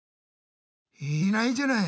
いないじゃない！